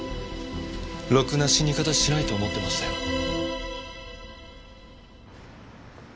ろくな死に方しないと思っていましたよ。